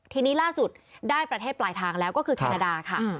ทีนี้ล่าสุดได้ประเทศปลายทางแล้วก็คือแคนาดาค่ะ